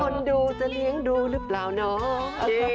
คนดูจะเลี้ยงดูหรือเปล่าเนาะ